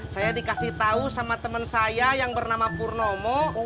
saya dikasih tahu sama teman saya yang bernama purnomo